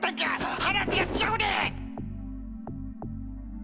話が違うで！